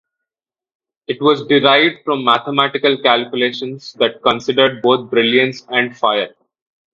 It was derived from mathematical calculations that considered both brilliance and fire.